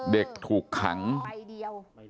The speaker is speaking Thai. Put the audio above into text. เด็กถูกขังใบเดียว